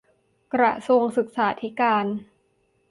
กระทรวงศึกษาธิการ